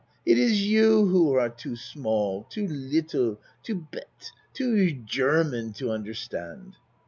It is you who are too small too little too bete too German to understand.